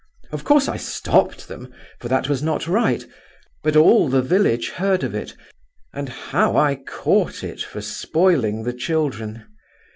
Of course I stopped them, for that was not right, but all the village heard of it, and how I caught it for spoiling the children!